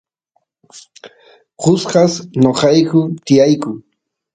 kusqas noqayku tiyayku